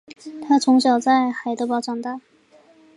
他从小在海德堡长大。